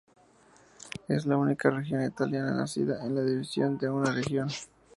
Es la única región italiana nacida de la división de una región.